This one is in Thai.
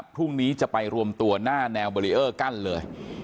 พรุ่งนี้จะไปรวมตัวหน้าแนวเบรีเออร์กั้นเลย